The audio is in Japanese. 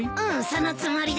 そのつもりだよ。